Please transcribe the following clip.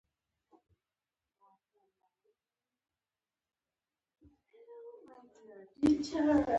باسواده ښځې د نړۍ مشرانې دي.